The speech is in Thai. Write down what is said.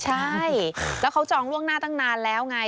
ใช่แล้วเขาจองล่วงหน้าตั้งนานแล้วไง